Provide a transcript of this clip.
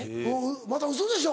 またウソでしょ？